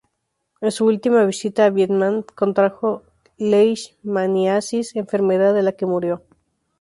En su última visita a Vietnam contrajo leishmaniasis, enfermedad de la que murió.